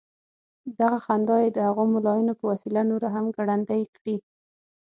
دغه خندا یې د هغو ملايانو په وسيله نوره هم ګړندۍ کړې.